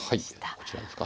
そちらですか。